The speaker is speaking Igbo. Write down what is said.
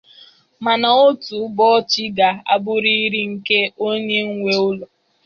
mana otu ụbọchị ga-abụrịrị nke onye nwe ụlọ.